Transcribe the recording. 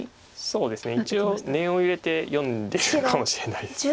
そうですね一応念を入れて読んでるかもしれないです。